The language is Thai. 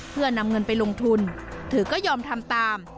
เพื่อนำเงินไปลงทุนเธอก็ยอมทำตาม